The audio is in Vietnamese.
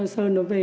sơn nó về